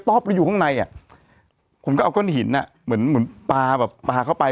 อบไปอยู่ข้างในอ่ะผมก็เอาก้อนหินอ่ะเหมือนเหมือนปลาแบบปลาเข้าไป